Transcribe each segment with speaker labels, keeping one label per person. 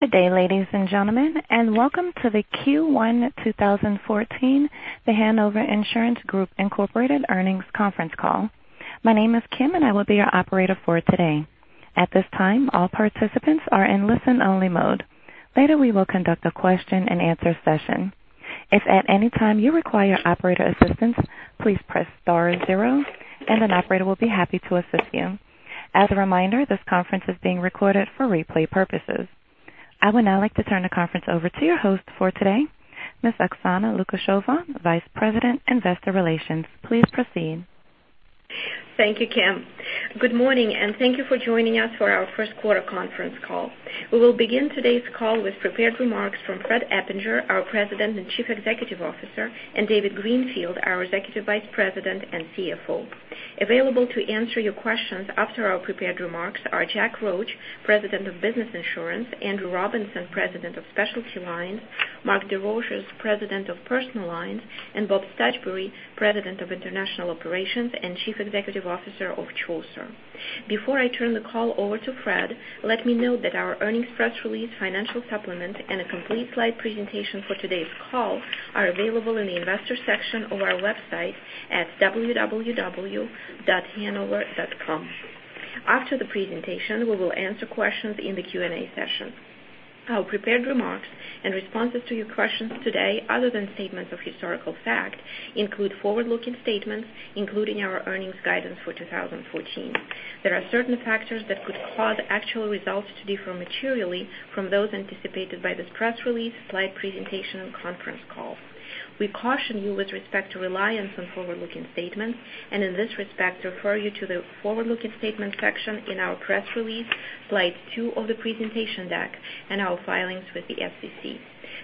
Speaker 1: Good day, ladies and gentlemen, and welcome to the Q1 2014 The Hanover Insurance Group Incorporated earnings conference call. My name is Kim, and I will be your operator for today. At this time, all participants are in listen only mode. Later, we will conduct a question and answer session. If at any time you require operator assistance, please press star zero and an operator will be happy to assist you. As a reminder, this conference is being recorded for replay purposes. I would now like to turn the conference over to your host for today, Ms. Oksana Lukasheva, Vice President, Investor Relations. Please proceed.
Speaker 2: Thank you, Kim. Good morning and thank you for joining us for our first quarter conference call. We will begin today's call with prepared remarks from Fred Eppinger, our President and Chief Executive Officer, and David Greenfield, our Executive Vice President and CFO. Available to answer your questions after our prepared remarks are Jack Roche, President of Business Insurance, Andrew Robinson, President of Specialty Lines, Mark Desrochers, President of Personal Lines, and Bob Stuchbery, President of International Operations and Chief Executive Officer of Chaucer. Before I turn the call over to Fred, let me note that our earnings press release financial supplement and a complete slide presentation for today's call are available in the investor section of our website at www.hanover.com. After the presentation, we will answer questions in the Q&A session. Our prepared remarks in responses to your questions today, other than statements of historical fact, include forward-looking statements, including our earnings guidance for 2014. There are certain factors that could cause actual results to differ materially from those anticipated by this press release, slide two of the presentation deck, and our filings with the SEC. We caution you with respect to reliance on forward-looking statements, and in this respect, refer you to the forward-looking statements section in our press release, slide two of the presentation deck, and our filings with the SEC.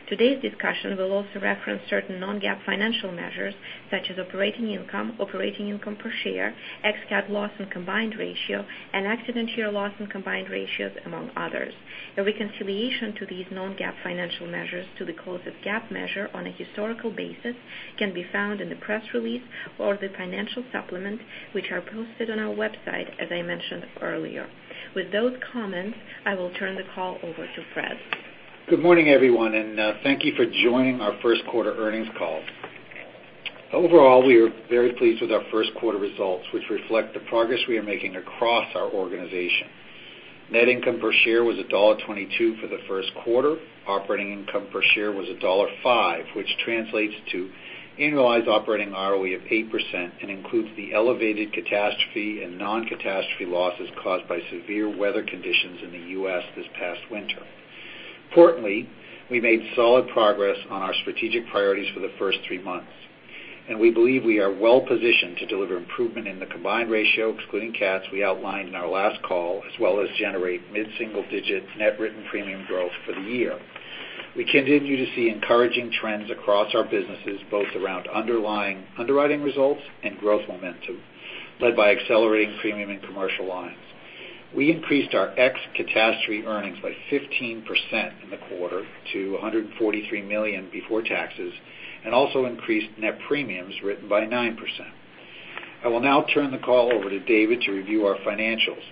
Speaker 2: Today's discussion will also reference certain non-GAAP financial measures, such as operating income, operating income per share, ex-CAT loss and combined ratio, and accident year loss and combined ratios, among others. A reconciliation to these non-GAAP financial measures to the closest GAAP measure on a historical basis can be found in the press release or the financial supplement, which are posted on our website, as I mentioned earlier. With those comments, I will turn the call over to Fred.
Speaker 3: Good morning, everyone, and thank you for joining our first quarter earnings call. Overall, we are very pleased with our first quarter results, which reflect the progress we are making across our organization. Net income per share was $1.22 for the first quarter. Operating income per share was $1.05, which translates to annualized operating ROE of 8% and includes the elevated catastrophe and non-catastrophe losses caused by severe weather conditions in the U.S. this past winter. Importantly, we made solid progress on our strategic priorities for the first three months, and we believe we are well-positioned to deliver improvement in the combined ratio, excluding cats we outlined in our last call, as well as generate mid-single-digit net written premium growth for the year. We continue to see encouraging trends across our businesses, both around underlying underwriting results and growth momentum, led by accelerating premium in Commercial Lines. We increased our ex-catastrophe earnings by 15% in the quarter to $143 million before taxes and also increased net premiums written by 9%. I will now turn the call over to David to review our financials.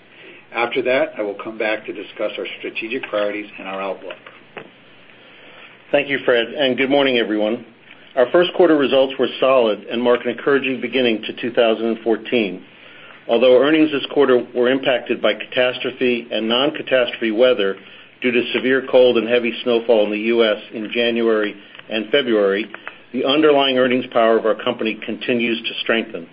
Speaker 3: After that, I will come back to discuss our strategic priorities and our outlook.
Speaker 4: Thank you, Fred. Good morning, everyone. Our first quarter results were solid and mark an encouraging beginning to 2014. Although earnings this quarter were impacted by catastrophe and non-catastrophe weather due to severe cold and heavy snowfall in the U.S. in January and February, the underlying earnings power of our company continues to strengthen.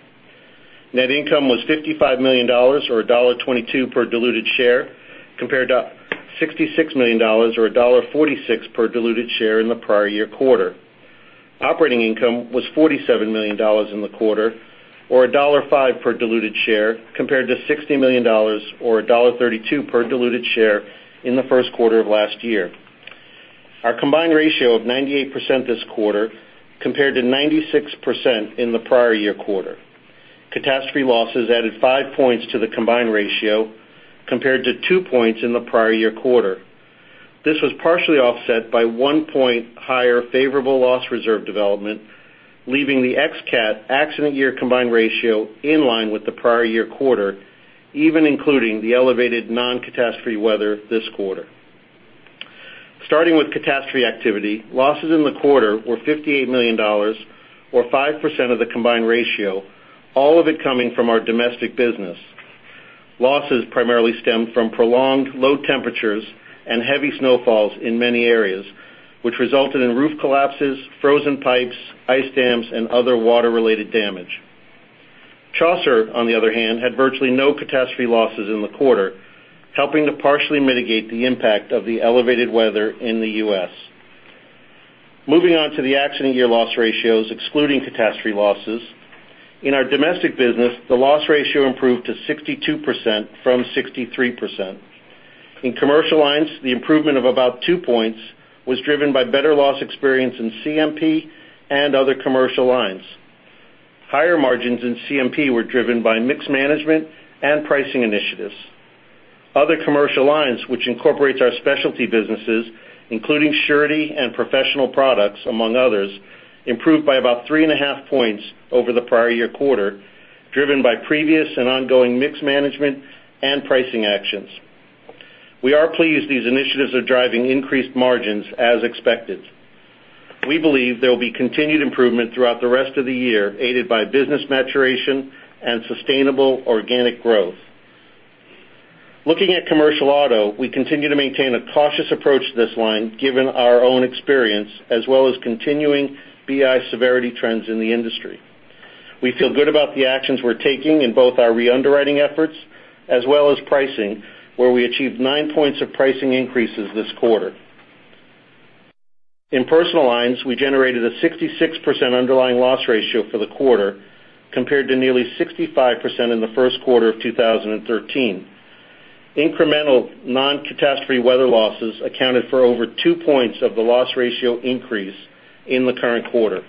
Speaker 4: Net income was $55 million, or $1.22 per diluted share, compared to $66 million or $1.46 per diluted share in the prior year quarter. Operating income was $47 million in the quarter or $1.05 per diluted share compared to $60 million or $1.32 per diluted share in the first quarter of last year. Our combined ratio of 98% this quarter compared to 96% in the prior year quarter. Catastrophe losses added five points to the combined ratio compared to two points in the prior year quarter. This was partially offset by one point higher favorable loss reserve development, leaving the ex-CAT accident year combined ratio in line with the prior year quarter, even including the elevated non-catastrophe weather this quarter. Starting with catastrophe activity, losses in the quarter were $58 million, or 5% of the combined ratio, all of it coming from our domestic business. Losses primarily stemmed from prolonged low temperatures and heavy snowfalls in many areas, which resulted in roof collapses, frozen pipes, ice dams, and other water-related damage. Chaucer, on the other hand, had virtually no catastrophe losses in the quarter, helping to partially mitigate the impact of the elevated weather in the U.S. Moving on to the accident year loss ratios excluding catastrophe losses. In our domestic business, the loss ratio improved to 62% from 63%. In Commercial Lines, the improvement of about two points was driven by better loss experience in CMP and other Commercial Lines. Higher margins in CMP were driven by mixed management and pricing initiatives. Other Commercial Lines, which incorporates our Specialty Lines businesses, including surety and professional products, among others, improved by about three and a half points over the prior year quarter, driven by previous and ongoing mix management and pricing actions. We are pleased these initiatives are driving increased margins as expected. We believe there will be continued improvement throughout the rest of the year, aided by business maturation and sustainable organic growth. Looking at commercial auto, we continue to maintain a cautious approach to this line, given our own experience, as well as continuing BI severity trends in the industry. We feel good about the actions we're taking in both our re-underwriting efforts, as well as pricing, where we achieved nine points of pricing increases this quarter. In Personal Lines, we generated a 66% underlying loss ratio for the quarter, compared to nearly 65% in the first quarter of 2013. Incremental non-catastrophe weather losses accounted for over two points of the loss ratio increase in the current quarter.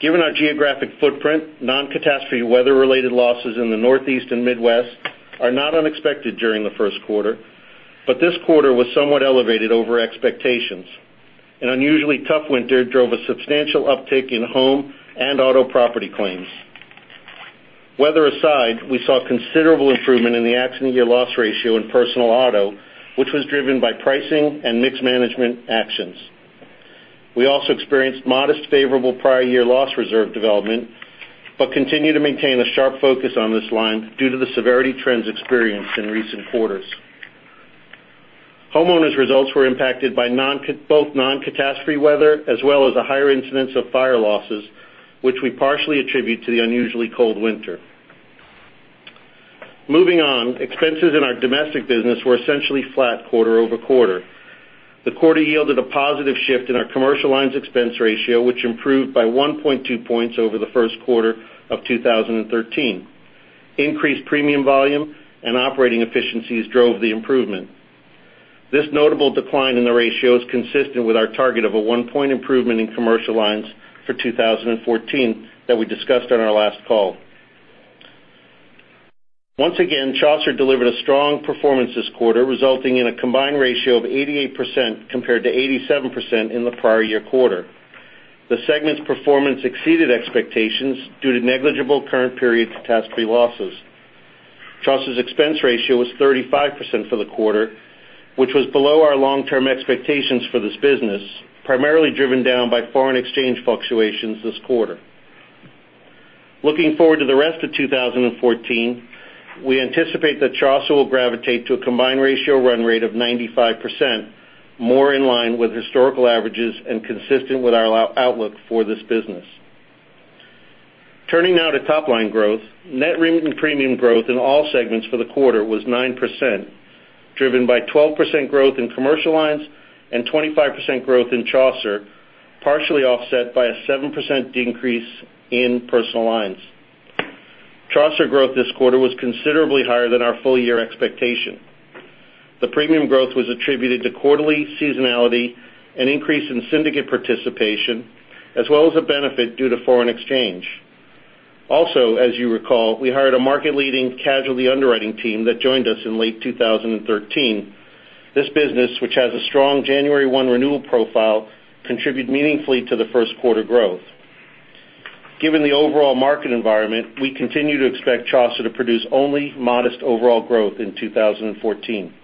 Speaker 4: Given our geographic footprint, non-catastrophe weather-related losses in the Northeast and Midwest are not unexpected during the first quarter, but this quarter was somewhat elevated over expectations. An unusually tough winter drove a substantial uptick in home and auto property claims. Weather aside, we saw considerable improvement in the accident year loss ratio in personal auto, which was driven by pricing and mix management actions. We also experienced modest favorable prior year loss reserve development, but continue to maintain a sharp focus on this line due to the severity trends experienced in recent quarters. homeowners results were impacted by both non-catastrophe weather as well as a higher incidence of fire losses, which we partially attribute to the unusually cold winter. Moving on, expenses in our domestic business were essentially flat quarter-over-quarter. The quarter yielded a positive shift in our Commercial Lines expense ratio, which improved by 1.2 points over the first quarter of 2013. Increased premium volume and operating efficiencies drove the improvement. This notable decline in the ratio is consistent with our target of a one point improvement in Commercial Lines for 2014 that we discussed on our last call. Once again, Chaucer delivered a strong performance this quarter, resulting in a combined ratio of 88% compared to 87% in the prior year quarter. The segment's performance exceeded expectations due to negligible current period catastrophe losses. Chaucer's expense ratio was 35% for the quarter, which was below our long-term expectations for this business, primarily driven down by foreign exchange fluctuations this quarter. Looking forward to the rest of 2014, we anticipate that Chaucer will gravitate to a combined ratio run rate of 95%, more in line with historical averages and consistent with our outlook for this business. Turning now to top-line growth. Net written premium growth in all segments for the quarter was 9%, driven by 12% growth in Commercial Lines and 25% growth in Chaucer, partially offset by a 7% decrease in Personal Lines. Chaucer growth this quarter was considerably higher than our full-year expectation. The premium growth was attributed to quarterly seasonality and increase in syndicate participation, as well as a benefit due to foreign exchange. As you recall, we hired a market-leading casualty underwriting team that joined us in late 2013. This business, which has a strong January 1 renewal profile, contribute meaningfully to the first quarter growth. Given the overall market environment, we continue to expect Chaucer to produce only modest overall growth in 2014.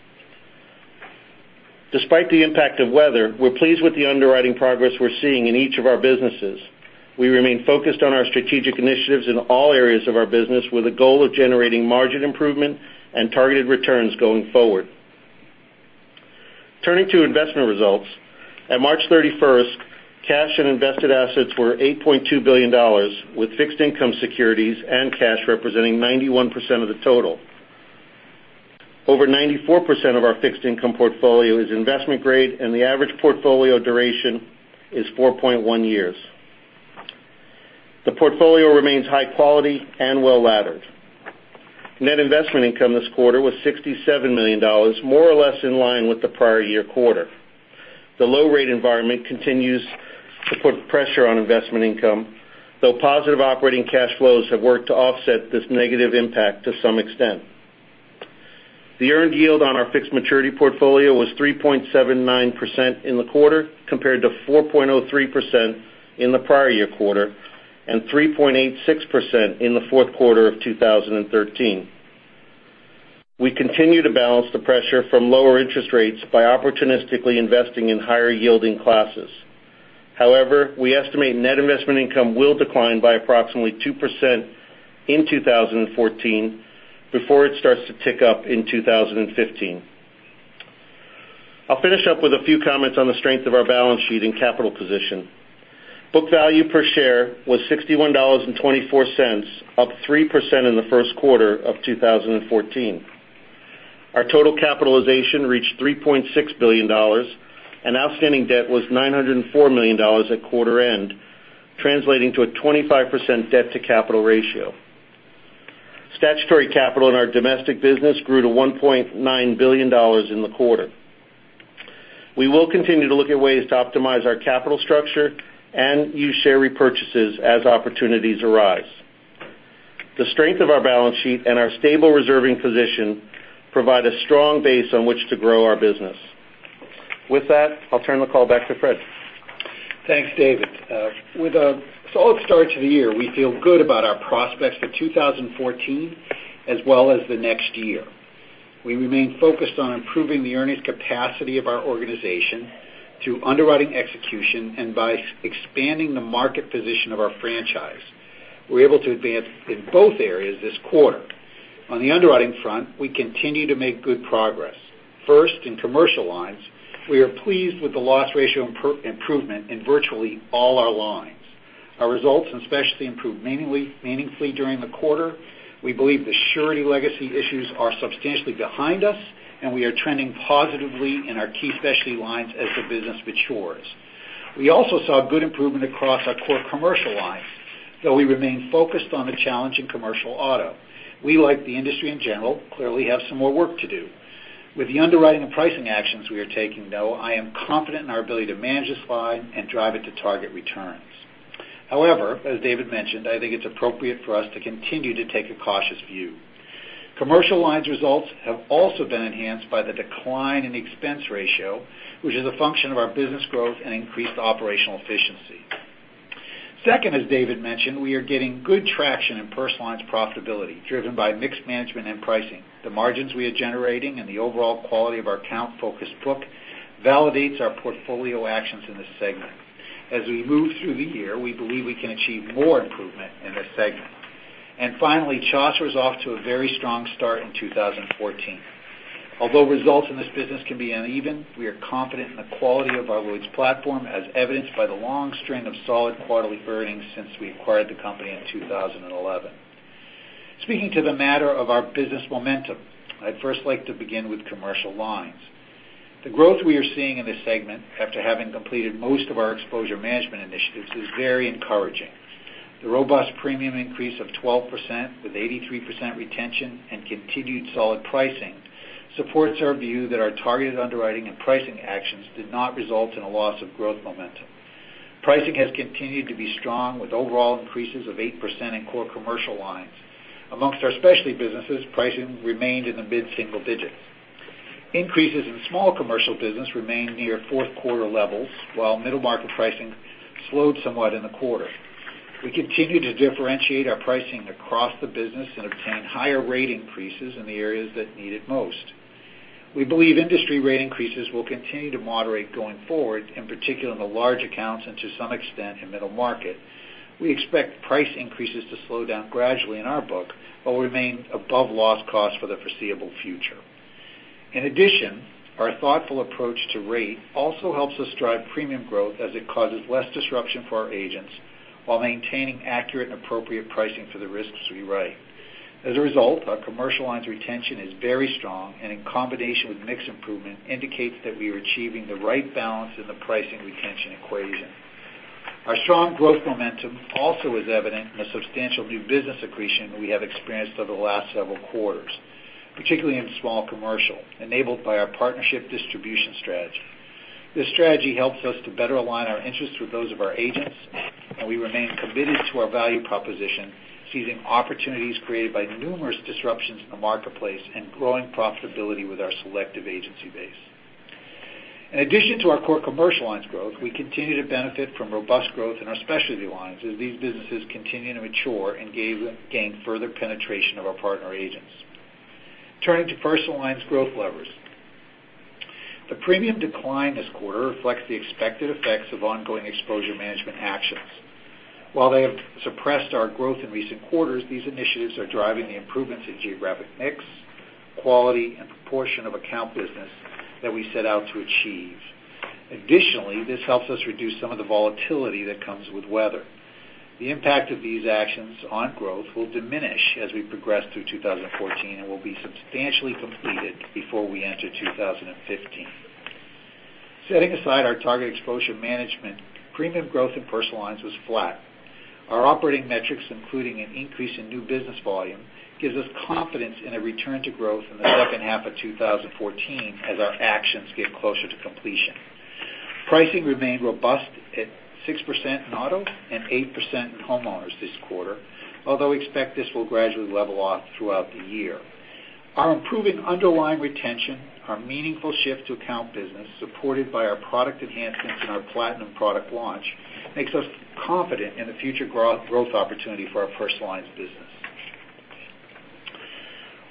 Speaker 4: Despite the impact of weather, we're pleased with the underwriting progress we're seeing in each of our businesses. We remain focused on our strategic initiatives in all areas of our business with a goal of generating margin improvement and targeted returns going forward. Turning to investment results. At March 31st, cash and invested assets were $8.2 billion, with fixed income securities and cash representing 91% of the total. Over 94% of our fixed income portfolio is investment grade, and the average portfolio duration is 4.1 years. The portfolio remains high quality and well-laddered. Net investment income this quarter was $67 million, more or less in line with the prior year quarter. The low rate environment continues to put pressure on investment income, though positive operating cash flows have worked to offset this negative impact to some extent. The earned yield on our fixed maturity portfolio was 3.79% in the quarter, compared to 4.03% in the prior year quarter and 3.86% in the fourth quarter of 2013. We continue to balance the pressure from lower interest rates by opportunistically investing in higher yielding classes. We estimate net investment income will decline by approximately 2% in 2014 before it starts to tick up in 2015. I'll finish up with a few comments on the strength of our balance sheet and capital position. Book value per share was $61.24, up 3% in the first quarter of 2014. Our total capitalization reached $3.6 billion, and outstanding debt was $904 million at quarter end, translating to a 25% debt to capital ratio. Statutory capital in our domestic business grew to $1.9 billion in the quarter. We will continue to look at ways to optimize our capital structure and use share repurchases as opportunities arise. The strength of our balance sheet and our stable reserving position provide a strong base on which to grow our business. With that, I'll turn the call back to Fred.
Speaker 3: Thanks, David. With a solid start to the year, we feel good about our prospects for 2014 as well as the next year. We remain focused on improving the earnings capacity of our organization through underwriting execution and by expanding the market position of our franchise. We're able to advance in both areas this quarter. On the underwriting front, we continue to make good progress. First, in Commercial Lines, we are pleased with the loss ratio improvement in virtually all our lines. Our results in Specialty improved meaningfully during the quarter. We believe the surety legacy issues are substantially behind us, and we are trending positively in our key specialty lines as the business matures. We also saw good improvement across our core Commercial Line, though we remain focused on the challenge in commercial auto. We, like the industry in general, clearly have some more work to do. With the underwriting and pricing actions we are taking, though, I am confident in our ability to manage this line and drive it to target returns. However, as David mentioned, I think it's appropriate for us to continue to take a cautious view. Commercial Lines results have also been enhanced by the decline in expense ratio, which is a function of our business growth and increased operational efficiency. Second, as David mentioned, we are getting good traction in Personal Lines profitability, driven by mixed management and pricing. The margins we are generating and the overall quality of our account focused book validates our portfolio actions in this segment. As we move through the year, we believe we can achieve more improvement in this segment. Finally, Chaucer is off to a very strong start in 2014. Although results in this business can be uneven, we are confident in the quality of our Lloyd's platform, as evidenced by the long string of solid quarterly earnings since we acquired the company in 2011. Speaking to the matter of our business momentum, I'd first like to begin with Commercial Lines. The growth we are seeing in this segment after having completed most of our exposure management initiatives is very encouraging. The robust premium increase of 12% with 83% retention and continued solid pricing supports our view that our targeted underwriting and pricing actions did not result in a loss of growth momentum. Pricing has continued to be strong with overall increases of 8% in core Commercial Lines. Amongst our specialty businesses, pricing remained in the mid-single digits. Increases in small commercial business remained near fourth quarter levels, while middle market pricing slowed somewhat in the quarter. We continue to differentiate our pricing across the business and obtain higher rate increases in the areas that need it most. We believe industry rate increases will continue to moderate going forward, in particular in the large accounts and to some extent in middle market. We expect price increases to slow down gradually in our book, but remain above loss cost for the foreseeable future. In addition, our thoughtful approach to rate also helps us drive premium growth as it causes less disruption for our agents while maintaining accurate and appropriate pricing for the risks we write. As a result, our Commercial Lines retention is very strong and in combination with mix improvement, indicates that we are achieving the right balance in the pricing retention equation. Our strong growth momentum also is evident in the substantial new business accretion we have experienced over the last several quarters, particularly in small commercial, enabled by our partnership distribution strategy. This strategy helps us to better align our interests with those of our agents, and we remain committed to our value proposition, seizing opportunities created by numerous disruptions in the marketplace and growing profitability with our selective agency base. In addition to our core Commercial Lines growth, we continue to benefit from robust growth in our Specialty Lines as these businesses continue to mature and gain further penetration of our partner agents. Turning to Personal Lines growth levers. The premium decline this quarter reflects the expected effects of ongoing exposure management actions. While they have suppressed our growth in recent quarters, these initiatives are driving the improvements in geographic mix, quality, and proportion of account business that we set out to achieve. Additionally, this helps us reduce some of the volatility that comes with weather. The impact of these actions on growth will diminish as we progress through 2014 and will be substantially completed before we enter 2015. Setting aside our target exposure management, premium growth in Personal Lines was flat. Our operating metrics, including an increase in new business volume, gives us confidence in a return to growth in the second half of 2014 as our actions get closer to completion. Pricing remained robust at 6% in auto and 8% in homeowners this quarter, although we expect this will gradually level off throughout the year. Our improving underlying retention, our meaningful shift to account business, supported by our product enhancements and our Platinum product launch, makes us confident in the future growth opportunity for our Personal Lines business.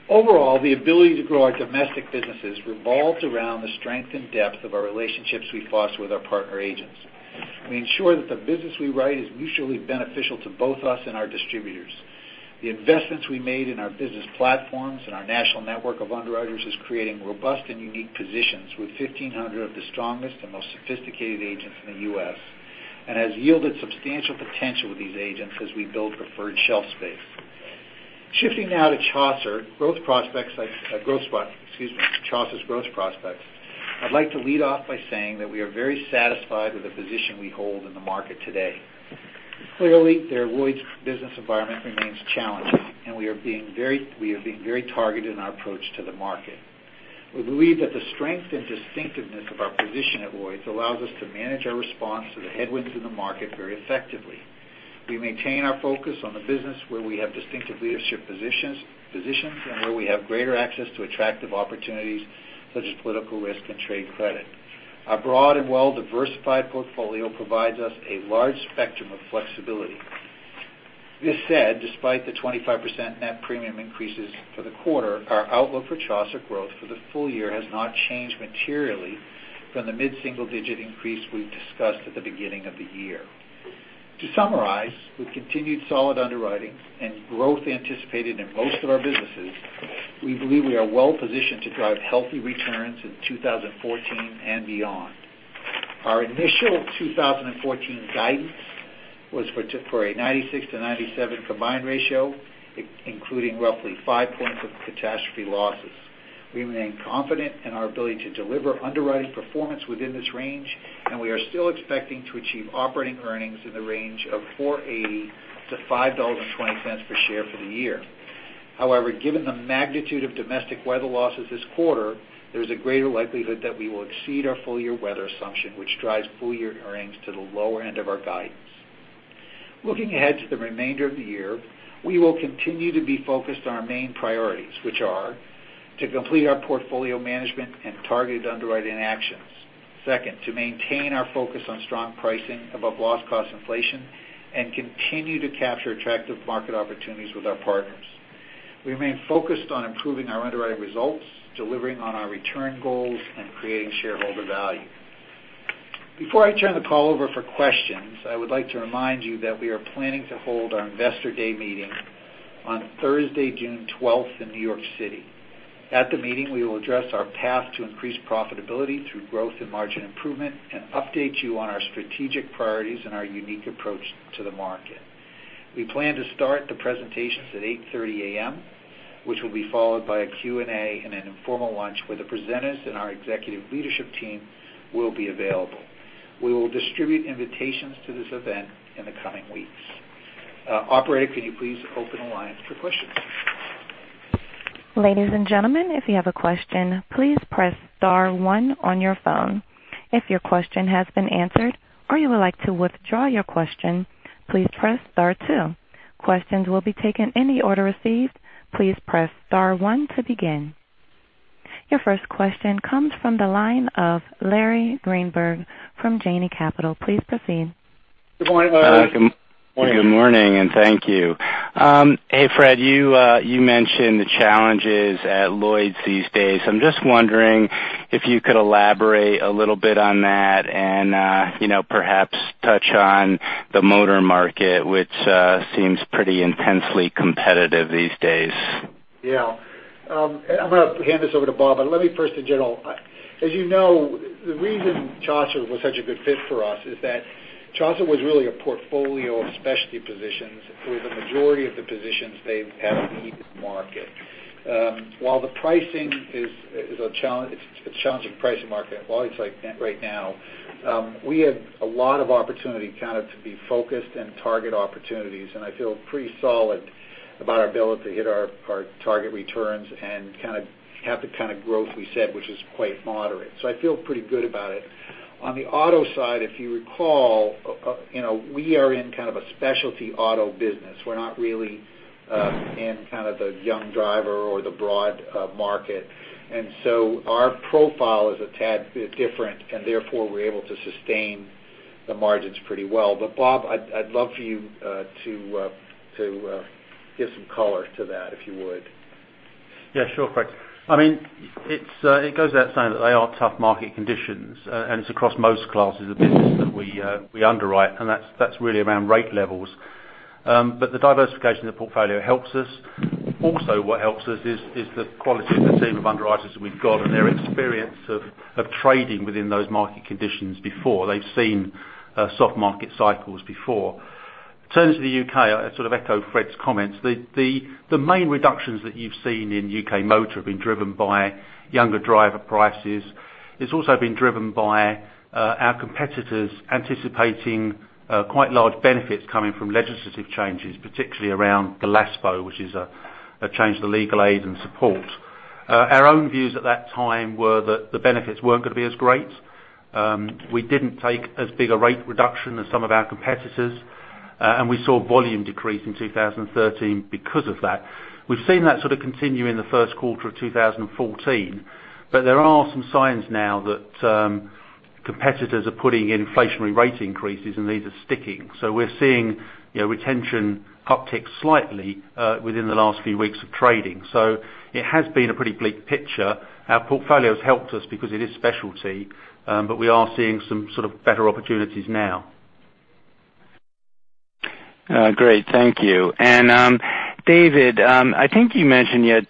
Speaker 3: Overall, the ability to grow our domestic businesses revolves around the strength and depth of our relationships we foster with our partner agents. We ensure that the business we write is mutually beneficial to both us and our distributors. The investments we made in our business platforms and our national network of underwriters is creating robust and unique positions with 1,500 of the strongest and most sophisticated agents in the U.S., and has yielded substantial potential with these agents as we build preferred shelf space. Shifting now to Chaucer's growth prospects, I'd like to lead off by saying that we are very satisfied with the position we hold in the market today. The Lloyd's business environment remains challenging, and we are being very targeted in our approach to the market. We believe that the strength and distinctiveness of our position at Lloyd's allows us to manage our response to the headwinds in the market very effectively. We maintain our focus on the business where we have distinctive leadership positions and where we have greater access to attractive opportunities, such as political risk and trade credit. Our broad and well-diversified portfolio provides us a large spectrum of flexibility. This said, despite the 25% net premium increases for the quarter, our outlook for Chaucer growth for the full year has not changed materially from the mid-single-digit increase we've discussed at the beginning of the year. To summarize, with continued solid underwriting and growth anticipated in most of our businesses, we believe we are well positioned to drive healthy returns in 2014 and beyond. Our initial 2014 guidance was for a 96%-97% combined ratio, including roughly 5 points of catastrophe losses. We remain confident in our ability to deliver underwriting performance within this range, and we are still expecting to achieve operating earnings in the range of $4.80-$5.20 per share for the year. Given the magnitude of domestic weather losses this quarter, there is a greater likelihood that we will exceed our full-year weather assumption, which drives full-year earnings to the lower end of our guidance. Looking ahead to the remainder of the year, we will continue to be focused on our main priorities, which are to complete our portfolio management and targeted underwriting actions. Second, to maintain our focus on strong pricing above loss cost inflation and continue to capture attractive market opportunities with our partners. We remain focused on improving our underwriting results, delivering on our return goals, and creating shareholder value. Before I turn the call over for questions, I would like to remind you that we are planning to hold our Investor Day meeting on Thursday, June 12th in New York City. At the meeting, we will address our path to increased profitability through growth and margin improvement and update you on our strategic priorities and our unique approach to the market. We plan to start the presentations at 8:30 A.M., which will be followed by a Q&A and an informal lunch where the presenters and our executive leadership team will be available. We will distribute invitations to this event in the coming weeks. Operator, could you please open the line for questions?
Speaker 1: Ladies and gentlemen, if you have a question, please press star one on your phone. If your question has been answered or you would like to withdraw your question, please press star two. Questions will be taken in the order received. Please press star one to begin. Your first question comes from the line of Larry Greenberg from Janney Capital. Please proceed.
Speaker 3: Good morning, Larry.
Speaker 5: Good morning. Thank you. Hey, Fred, you mentioned the challenges at Lloyd's these days. I'm just wondering if you could elaborate a little bit on that and perhaps touch on the motor market, which seems pretty intensely competitive these days.
Speaker 3: I'm going to hand this over to Bob, but let me first general. As you know, the reason Chaucer was such a good fit for us is that Chaucer was really a portfolio of specialty positions where the majority of the positions they have in the market. While it's a challenging pricing market at Lloyd's right now, we have a lot of opportunity to be focused and target opportunities. I feel pretty solid about our ability to hit our target returns and have the kind of growth we said, which is quite moderate. I feel pretty good about it. On the auto side, if you recall, we are in kind of a specialty auto business. We're not really in the young driver or the broad market, our profile is a tad bit different. Therefore, we're able to sustain the margins pretty well. Bob, I'd love for you to give some color to that, if you would.
Speaker 6: Sure, Fred. It goes without saying that they are tough market conditions. It's across most classes of business that we underwrite, that's really around rate levels. The diversification of the portfolio helps us. Also, what helps us is the quality of the team of underwriters that we've got and their experience of trading within those market conditions before. They've seen soft market cycles before. In terms of the U.K., I sort of echo Fred's comments. The main reductions that you've seen in U.K. motor have been driven by younger driver prices. It's also been driven by our competitors anticipating quite large benefits coming from legislative changes, particularly around the LASPO, which is a change to the legal aid and support. Our own views at that time were that the benefits weren't going to be as great. We didn't take as big a rate reduction as some of our competitors. We saw volume decrease in 2013 because of that. We've seen that sort of continue in the first quarter of 2014, there are some signs now that competitors are putting in inflationary rate increases, these are sticking. We're seeing retention uptick slightly within the last few weeks of trading. It has been a pretty bleak picture. Our portfolio's helped us because it is specialty, we are seeing some sort of better opportunities now.
Speaker 5: Thank you. David, I think you mentioned you had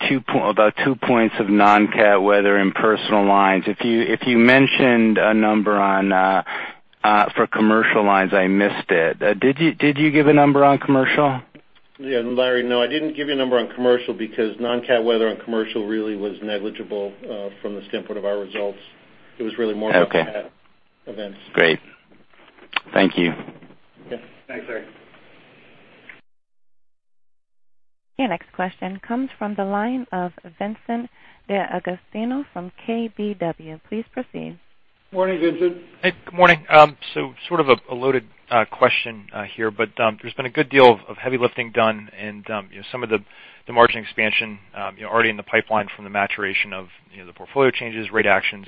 Speaker 5: about 2 points of non-cat weather in Personal Lines. If you mentioned a number for Commercial Lines, I missed it. Did you give a number on Commercial?
Speaker 4: Yeah, Larry, no, I didn't give you a number on Commercial because non-cat weather on Commercial really was negligible from the standpoint of our results. It was really more about cat events.
Speaker 5: Great. Thank you.
Speaker 3: Yeah. Thanks, Larry.
Speaker 1: Your next question comes from the line of Vincent DeAugustino from KBW. Please proceed.
Speaker 3: Morning, Vincent.
Speaker 7: Hey, good morning. Sort of a loaded question here, but there's been a good deal of heavy lifting done and some of the margin expansion already in the pipeline from the maturation of the portfolio changes, rate actions.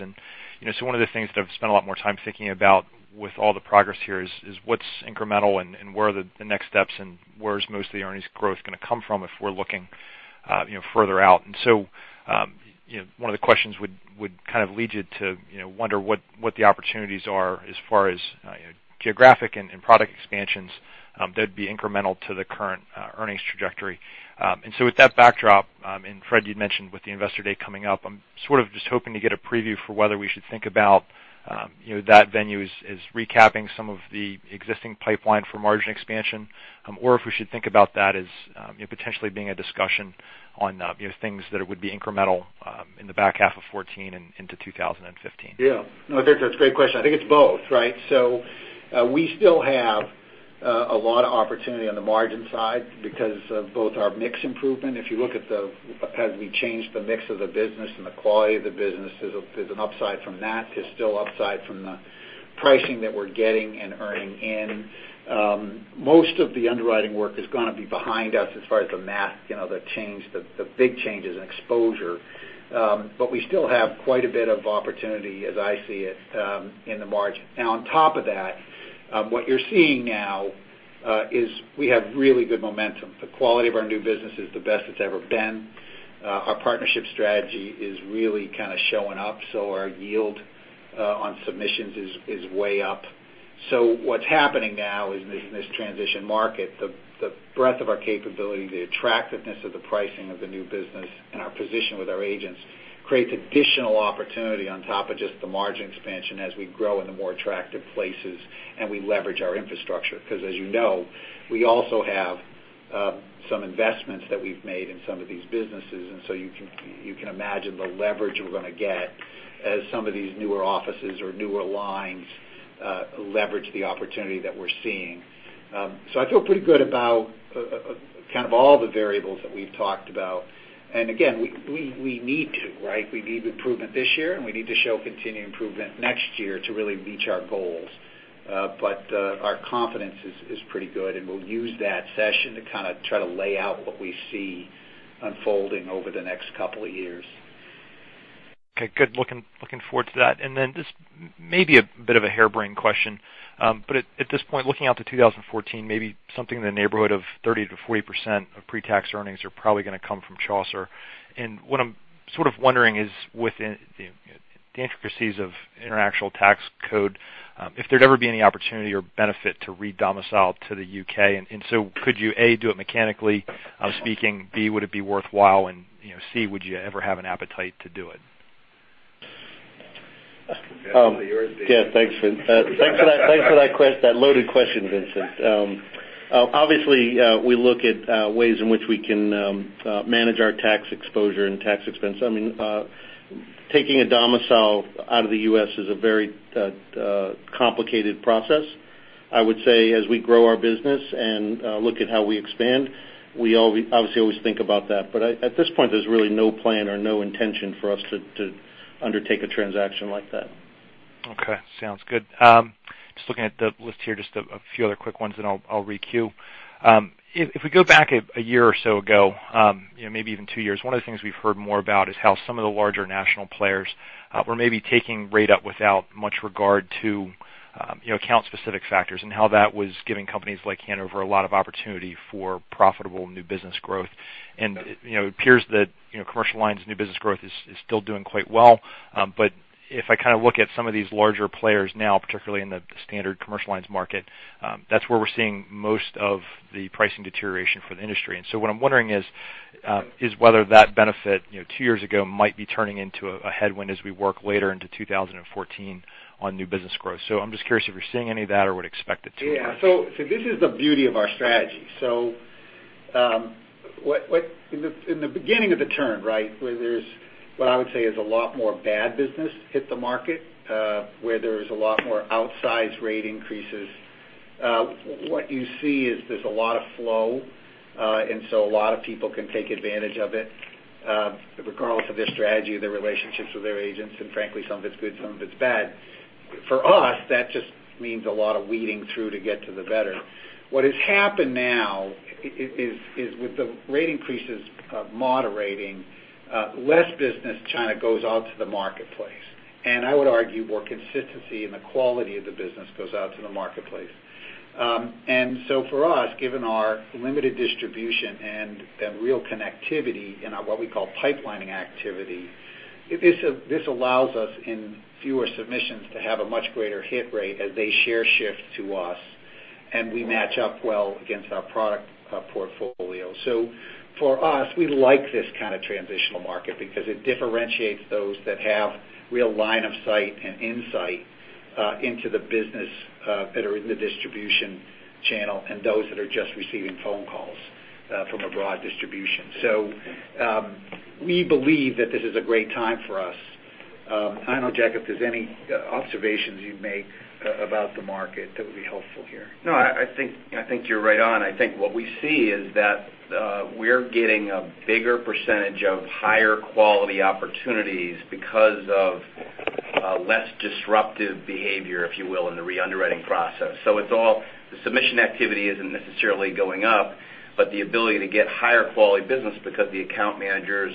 Speaker 7: One of the things that I've spent a lot more time thinking about with all the progress here is what's incremental and where are the next steps, and where is most of the earnings growth going to come from if we're looking further out. One of the questions would kind of lead you to wonder what the opportunities are as far as geographic and product expansions that'd be incremental to the current earnings trajectory. With that backdrop, and Fred, you'd mentioned with the Investor Day coming up, I'm sort of just hoping to get a preview for whether we should think about that venue as recapping some of the existing pipeline for margin expansion, or if we should think about that as potentially being a discussion on things that would be incremental in the back half of 2014 and into 2015.
Speaker 3: Yeah. No, I think that's a great question. I think it's both, right? We still have a lot of opportunity on the margin side because of both our mix improvement. If you look at, as we changed the mix of the business and the quality of the business, there's an upside from that. There's still upside from the pricing that we're getting and earning in. Most of the underwriting work is going to be behind us as far as the math, the big changes in exposure. We still have quite a bit of opportunity as I see it in the margin. On top of that, what you're seeing now is we have really good momentum. The quality of our new business is the best it's ever been. Our partnership strategy is really kind of showing up. Our yield on submissions is way up. What's happening now is in this transition market, the breadth of our capability, the attractiveness of the pricing of the new business, and our position with our agents creates additional opportunity on top of just the margin expansion as we grow in the more attractive places and we leverage our infrastructure. As you know, we also have some investments that we've made in some of these businesses, you can imagine the leverage we're going to get as some of these newer offices or newer lines leverage the opportunity that we're seeing. I feel pretty good about kind of all the variables that we've talked about. Again, we need to, right? We need improvement this year, and we need to show continued improvement next year to really reach our goals. Our confidence is pretty good, and we'll use that session to kind of try to lay out what we see unfolding over the next couple of years.
Speaker 7: Okay, good. Looking forward to that. Just maybe a bit of a hair brain question. At this point, looking out to 2014, maybe something in the neighborhood of 30%-40% of pre-tax earnings are probably going to come from Chaucer. What I'm sort of wondering is within the intricacies of international tax code, if there'd ever be any opportunity or benefit to re-domicile to the U.K. Could you, A, do it mechanically speaking, B, would it be worthwhile, and C, would you ever have an appetite to do it?
Speaker 3: That's all yours, Dave.
Speaker 4: Yeah, thanks for that loaded question, Vincent. Obviously, we look at ways in which we can manage our tax exposure and tax expense. Taking a domicile out of the U.S. is a very complicated process. I would say as we grow our business and look at how we expand, we obviously always think about that. At this point, there's really no plan or no intention for us to undertake a transaction like that.
Speaker 7: Okay. Sounds good. Just looking at the list here, just a few other quick ones, then I'll requeue. If we go back a year or so ago, maybe even two years, one of the things we've heard more about is how some of the larger national players were maybe taking rate up without much regard to count specific factors, and how that was giving companies like Hanover a lot of opportunity for profitable new business growth. It appears that Commercial Lines new business growth is still doing quite well. If I kind of look at some of these larger players now, particularly in the standard Commercial Lines market, that's where we're seeing most of the pricing deterioration for the industry. What I'm wondering is whether that benefit two years ago might be turning into a headwind as we work later into 2014 on new business growth. I'm just curious if you're seeing any of that or would expect it to.
Speaker 3: Yeah. This is the beauty of our strategy. In the beginning of the turn, where there is what I would say is a lot more bad business hit the market, where there was a lot more outsized rate increases, what you see is there is a lot of flow, a lot of people can take advantage of it, regardless of their strategy or their relationships with their agents. Frankly, some of it is good, some of it is bad. For us, that just means a lot of weeding through to get to the better. What has happened now is with the rate increases moderating, less business kind of goes out to the marketplace. I would argue more consistency in the quality of the business goes out to the marketplace. For us, given our limited distribution and that real connectivity in our what we call pipelining activity, this allows us in fewer submissions to have a much greater hit rate as they share shift to us, we match up well against our product portfolio. For us, we like this kind of transitional market because it differentiates those that have real line of sight and insight into the business that are in the distribution channel and those that are just receiving phone calls from a broad distribution. We believe that this is a great time for us. I don't know, Jack, if there is any observations you would make about the market that would be helpful here.
Speaker 8: No, I think you are right on. I think what we see is that we are getting a bigger percentage of higher quality opportunities because of less disruptive behavior, if you will, in the re-underwriting process. The submission activity is not necessarily going up, but the ability to get higher quality business because the account managers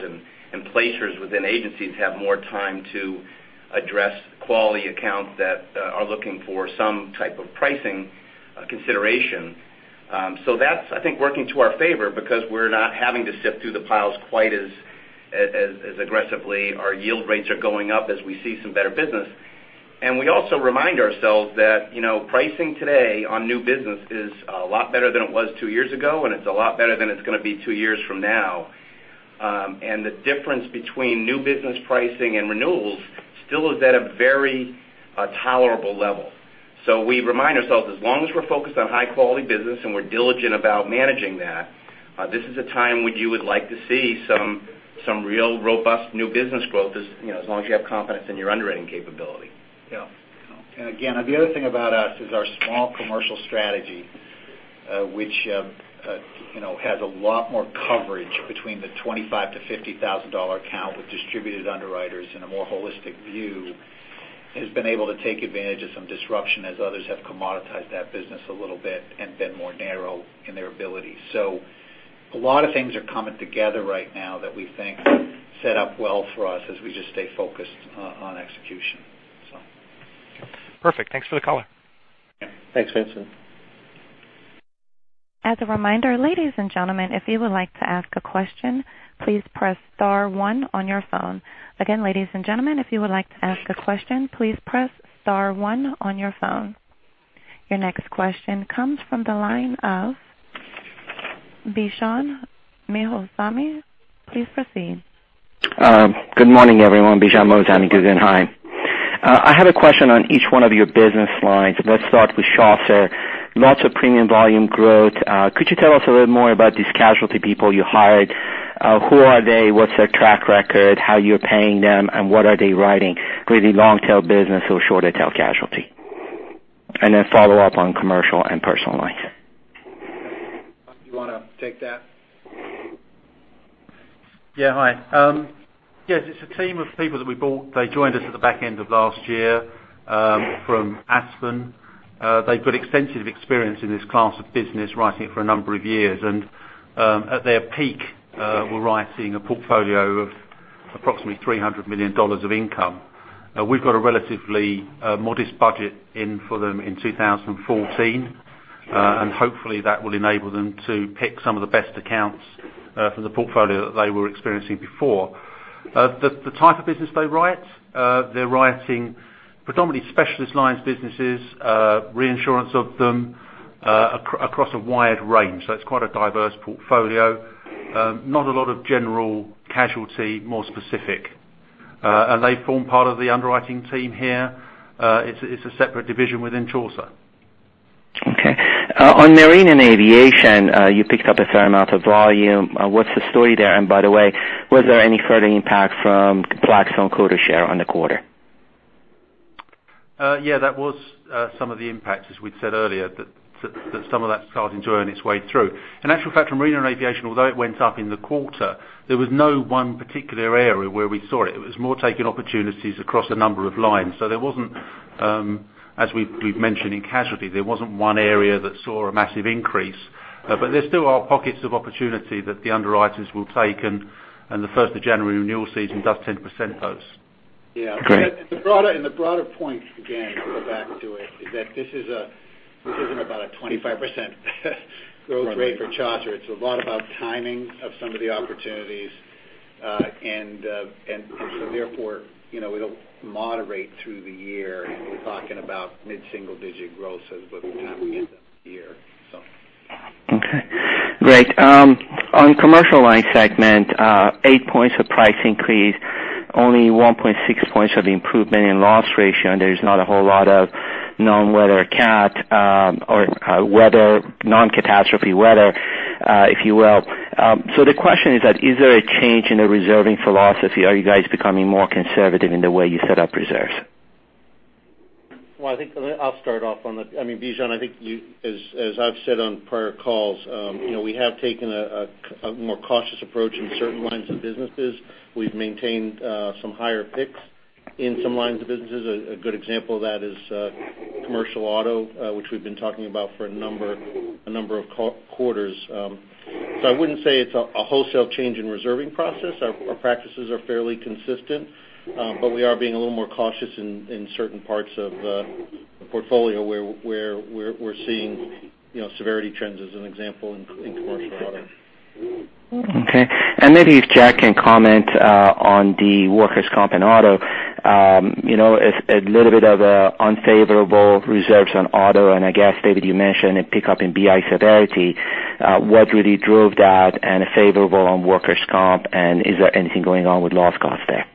Speaker 8: and placers within agencies have more time to address quality accounts that are looking for some type of pricing consideration. That is, I think, working to our favor because we are not having to sift through the piles quite as aggressively. Our yield rates are going up as we see some better business. We also remind ourselves that pricing today on new business is a lot better than it was two years ago, and it is a lot better than it is going to be two years from now. The difference between new business pricing and renewals still is at a very tolerable level. We remind ourselves, as long as we are focused on high quality business and we are diligent about managing that, this is a time when you would like to see some real robust new business growth, as long as you have confidence in your underwriting capability.
Speaker 3: Yeah. Again, the other thing about us is our small commercial strategy which has a lot more coverage between the $25,000 to $50,000 account with distributed underwriters in a more holistic view, has been able to take advantage of some disruption as others have commoditized that business a little bit and been narrower in their ability. A lot of things are coming together right now that we think set up well for us as we just stay focused on execution.
Speaker 7: Perfect. Thanks for the color.
Speaker 3: Thanks, Vincent.
Speaker 1: As a reminder, ladies and gentlemen, if you would like to ask a question, please press star one on your phone. Ladies and gentlemen, if you would like to ask a question, please press star one on your phone. Your next question comes from the line of Bijan Moazami. Please proceed.
Speaker 9: Good morning, everyone. Bijan Moazami, Guggenheim. I have a question on each one of your business lines. Let's start with Chaucer. Lots of premium volume growth. Could you tell us a little more about these casualty people you hired? Who are they? What's their track record? How you're paying them, and what are they writing? Really long-tail business or shorter tail casualty? Follow up on Commercial Lines and Personal Lines.
Speaker 3: You want to take that?
Speaker 6: Yeah. Hi. Yes, it's a team of people that we bought. They joined us at the back end of last year from Aspen. They've got extensive experience in this class of business, writing it for a number of years. At their peak, were writing a portfolio of approximately $300 million of income. We've got a relatively modest budget in for them in 2014, hopefully that will enable them to pick some of the best accounts from the portfolio that they were experiencing before. The type of business they write, they're writing predominantly Specialty Lines businesses, reinsurance of them across a wide range. It's quite a diverse portfolio. Not a lot of general casualty, more specific. They form part of the underwriting team here. It's a separate division within Chaucer.
Speaker 9: Okay. On marine and aviation, you picked up a fair amount of volume. What's the story there? By the way, was there any further impact from Chaucer quota share on the quarter?
Speaker 6: That was some of the impact, as we'd said earlier, that some of that's starting to earn its way through. In actual fact, in marine and aviation, although it went up in the quarter, there was no one particular area where we saw it. It was more taking opportunities across a number of lines. There wasn't, as we've mentioned in casualty, there wasn't one area that saw a massive increase. There still are pockets of opportunity that the underwriters will take, and the first of January renewal season does 10%+.
Speaker 9: Great.
Speaker 3: The broader point, again, to go back to it, is that this isn't about a 25% growth rate for Chaucer. It's a lot about timing of some of the opportunities. Therefore, it'll moderate through the year and we're talking about mid-single digit growth as by the time we get to the year.
Speaker 9: Okay, great. On Commercial Lines segment, eight points of price increase, only one point six points of the improvement in loss ratio, and there's not a whole lot of known weather cat or non-catastrophe weather if you will. The question is that, is there a change in the reserving philosophy? Are you guys becoming more conservative in the way you set up reserves?
Speaker 4: Well, I think I'll start off on that. Bijan, I think as I've said on prior calls, we have taken a more cautious approach in certain lines of businesses. We've maintained some higher picks in some lines of businesses. A good example of that is commercial auto which we've been talking about for a number of quarters. I wouldn't say it's a wholesale change in reserving process. Our practices are fairly consistent, but we are being a little more cautious in certain parts of the portfolio where we're seeing severity trends as an example in commercial auto.
Speaker 9: Okay. Maybe if Jack can comment on the workers' comp and auto. A little bit of unfavorable reserves on auto. I guess, David, you mentioned a pickup in BI severity. What really drove that? Favorable on workers' comp. Is there anything going on with loss cost there?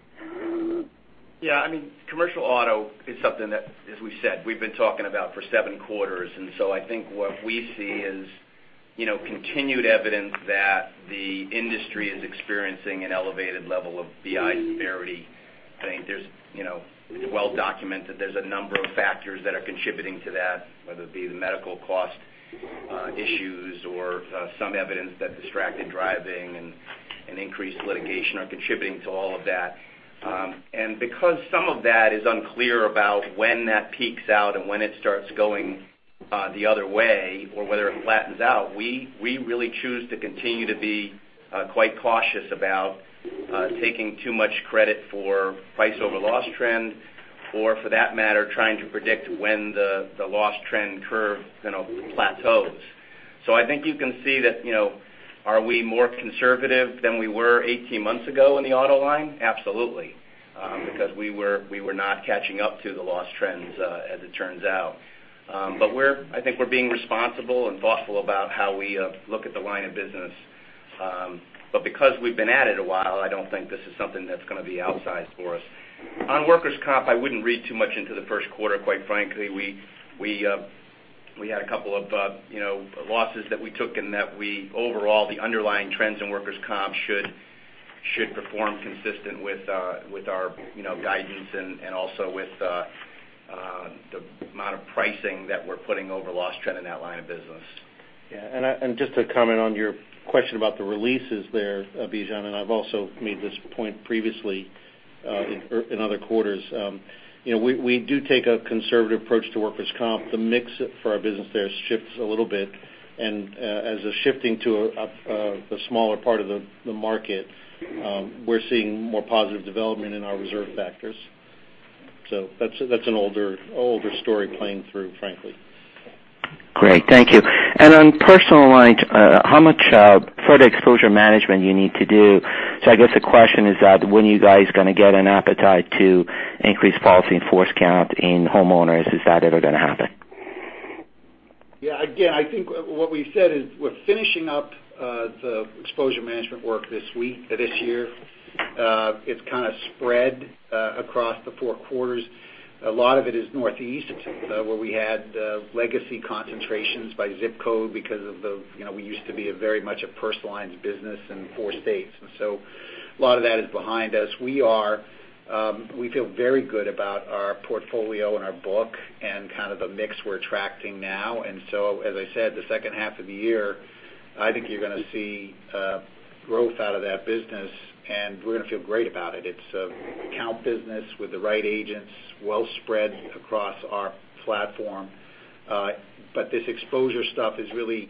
Speaker 8: Yeah, commercial auto is something that, as we said, we've been talking about for seven quarters. I think what we see is continued evidence that the industry is experiencing an elevated level of BI severity. I think it's well documented there's a number of factors that are contributing to that, whether it be the medical cost issues or some evidence that distracted driving and increased litigation are contributing to all of that. Because some of that is unclear about when that peaks out and when it starts going the other way, or whether it flattens out, we really choose to continue to be quite cautious about taking too much credit for price over loss trend or, for that matter, trying to predict when the loss trend curve plateaus. I think you can see that, are we more conservative than we were 18 months ago in the auto line? Absolutely. Because we were not catching up to the loss trends, as it turns out. I think we're being responsible and thoughtful about how we look at the line of business. Because we've been at it a while, I don't think this is something that's going to be outsized for us. On workers' comp, I wouldn't read too much into the 1st quarter, quite frankly. We had a couple of losses that we took in that, overall, the underlying trends in workers' comp should perform consistent with our guidance and also with the amount of pricing that we're putting over loss trend in that line of business.
Speaker 4: Yeah. Just to comment on your question about the releases there, Bijan. I've also made this point previously in other quarters. We do take a conservative approach to workers' comp. The mix for our business there shifts a little bit. As a shifting to the smaller part of the market, we're seeing more positive development in our reserve factors. That's an older story playing through, frankly.
Speaker 9: Great. Thank you. On Personal Lines, how much further exposure management you need to do? I guess the question is that when you guys are going to get an appetite to increase policy in-force count in homeowners, is that ever going to happen?
Speaker 3: Again, I think what we've said is we're finishing up the exposure management work this year. It's kind of spread across the four quarters. A lot of it is Northeast, where we had legacy concentrations by zip code because we used to be very much a Personal Lines business in four states. A lot of that is behind us. We feel very good about our portfolio and our book and kind of the mix we're attracting now. As I said, the second half of the year, I think you're going to see growth out of that business, and we're going to feel great about it. It's account business with the right agents, well spread across our platform. This exposure stuff is really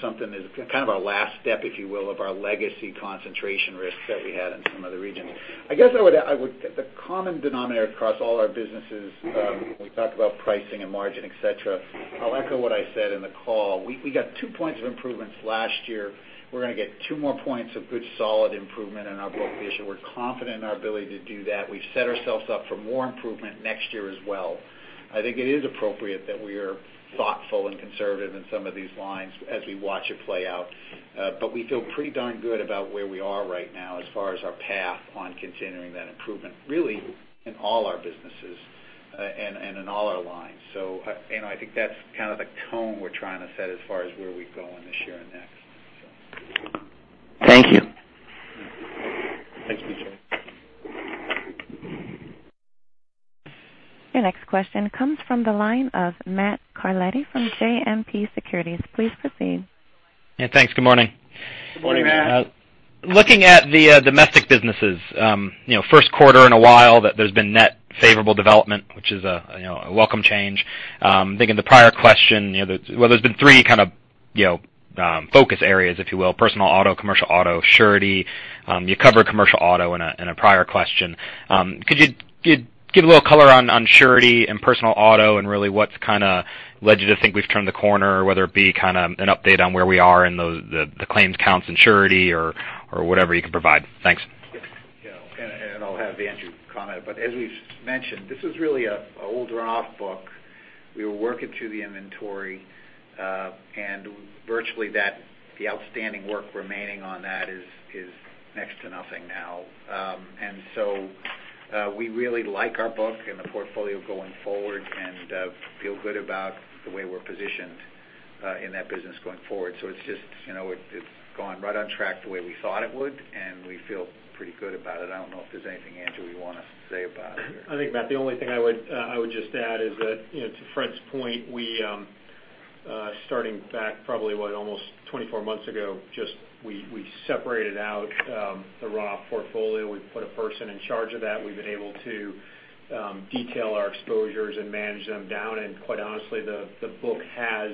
Speaker 3: something that's kind of our last step, if you will, of our legacy concentration risks that we had in some of the regions. I guess the common denominator across all our businesses, we talked about pricing and margin, et cetera. I'll echo what I said in the call. We got two points of improvements last year. We're going to get two more points of good, solid improvement in our book this year. We're confident in our ability to do that. We've set ourselves up for more improvement next year as well. I think it is appropriate that we are thoughtful and conservative in some of these lines as we watch it play out. We feel pretty darn good about where we are right now, as far as our path on continuing that improvement, really in all our businesses and in all our lines. I think that's kind of the tone we're trying to set as far as where we go in this year and next.
Speaker 9: Thank you.
Speaker 3: Thanks, Bijan.
Speaker 1: Your next question comes from the line of Matthew Carletti from JMP Securities. Please proceed.
Speaker 10: Yeah, thanks. Good morning.
Speaker 3: Good morning, Matt.
Speaker 10: Looking at the domestic businesses. First quarter in a while that there's been net favorable development, which is a welcome change. Thinking the prior question, well, there's been three kind of focus areas, if you will, personal auto, commercial auto, surety. You covered commercial auto in a prior question. Could you give a little color on surety and personal auto and really what's kind of led you to think we've turned the corner, or whether it be kind of an update on where we are in the claims counts and surety or whatever you can provide. Thanks.
Speaker 3: Yeah. I'll have Andrew comment, but as we've mentioned, this is really an older off-book. We were working through the inventory. Virtually the outstanding work remaining on that is next to nothing now. So we really like our book and the portfolio going forward and feel good about the way we're positioned in that business going forward. It's gone right on track the way we thought it would. We feel pretty good about it. I don't know if there's anything, Andrew, you want to say about it here.
Speaker 11: I think, Matt, the only thing I would just add is that, to Fred's point, starting back probably, what, almost 24 months ago, we separated out the raw portfolio. We put a person in charge of that. We've been able to detail our exposures and manage them down. Quite honestly, the book has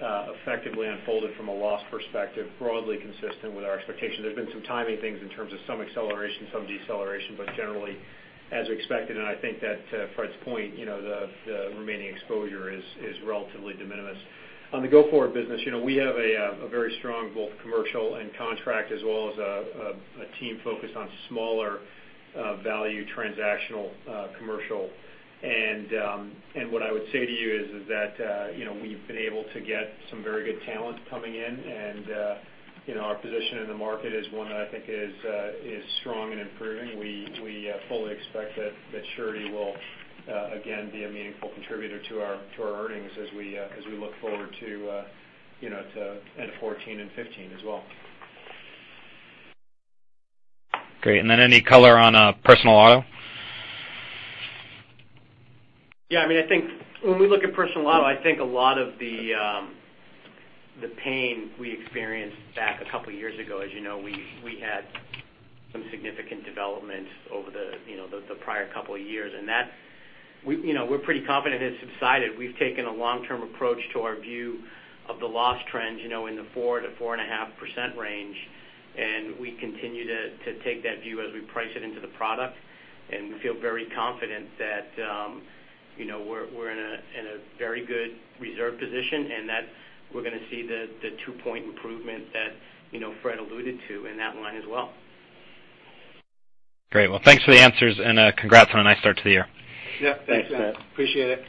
Speaker 11: effectively unfolded from a loss perspective, broadly consistent with our expectations. There's been some timing things in terms of some acceleration, some deceleration, generally as expected. I think that to Fred's point, the remaining exposure is relatively de minimis. On the go-forward business, we have a very strong both commercial and contract, as well as a team focused on smaller value transactional commercial. What I would say to you is that we've been able to get some very good talent coming in, and our position in the market is one that I think is strong and improving. We fully expect that surety will again be a meaningful contributor to our earnings as we look forward to end 2014 and 2015 as well.
Speaker 10: Great, any color on personal auto?
Speaker 12: Yeah. When we look at personal auto, I think a lot of the pain we experienced back a couple years ago, as you know, we had some significant developments over the prior couple of years, and that we're pretty confident has subsided. We've taken a long-term approach to our view of the loss trends in the 4%-4.5% range, and we continue to take that view as we price it into the product. We feel very confident that we're in a very good reserve position and that we're going to see the two-point improvement that Fred alluded to in that line as well.
Speaker 10: Great. Well, thanks for the answers and congrats on a nice start to the year. Yeah. Thanks, Fred. Thanks, Fred.
Speaker 11: Appreciate it.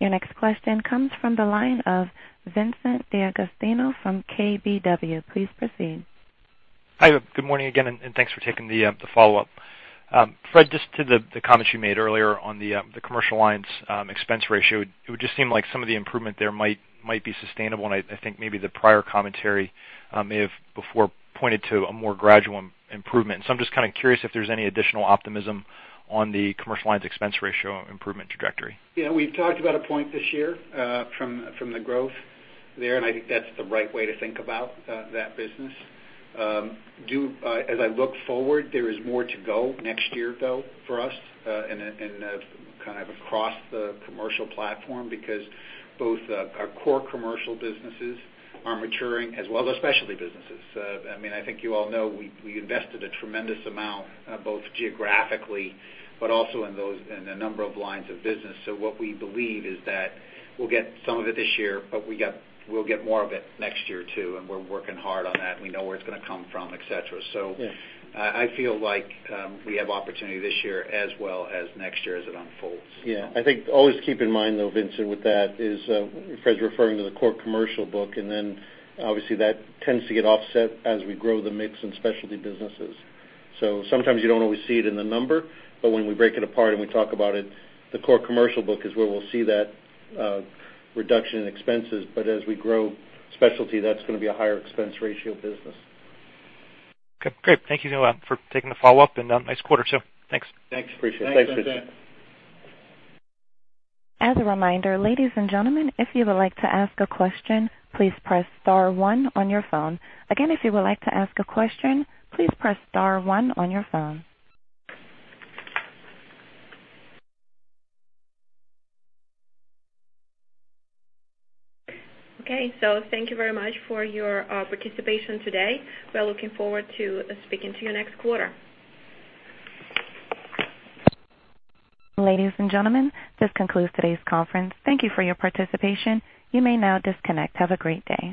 Speaker 1: Your next question comes from the line of Vincent DeAugustino from KBW. Please proceed.
Speaker 7: Hi, good morning again, and thanks for taking the follow-up. Fred, just to the comments you made earlier on the Commercial Lines expense ratio, it would just seem like some of the improvement there might be sustainable, and I think maybe the prior commentary may have before pointed to a more gradual improvement. I'm just kind of curious if there's any additional optimism on the Commercial Lines expense ratio improvement trajectory.
Speaker 3: Yeah. We've talked about a point this year from the growth there, and I think that's the right way to think about that business. As I look forward, there is more to go next year, though, for us and kind of across the Commercial platform because both our core Commercial businesses are maturing as well as our Specialty businesses. I think you all know we invested a tremendous amount both geographically but also in a number of lines of business. What we believe is that we'll get some of it this year, but we'll get more of it next year, too, and we're working hard on that. We know where it's going to come from, et cetera. I feel like we have opportunity this year as well as next year as it unfolds.
Speaker 4: Yeah. I think always keep in mind, though, Vincent, with that is Fred's referring to the core Commercial book, and then obviously that tends to get offset as we grow the mix in Specialty businesses. Sometimes you don't always see it in the number, but when we break it apart and we talk about it, the core Commercial book is where we'll see that reduction in expenses. As we grow Specialty, that's going to be a higher expense ratio business.
Speaker 7: Okay, great. Thank you for taking the follow-up, and nice quarter, too. Thanks.
Speaker 3: Thanks. Appreciate it. Thanks, Vincent.
Speaker 1: As a reminder, ladies and gentlemen, if you would like to ask a question, please press star one on your phone. Again, if you would like to ask a question, please press star one on your phone.
Speaker 2: Okay, thank you very much for your participation today. We are looking forward to speaking to you next quarter.
Speaker 1: Ladies and gentlemen, this concludes today's conference. Thank you for your participation. You may now disconnect. Have a great day.